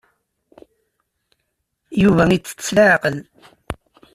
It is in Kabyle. Yuba ittett s leɛqel.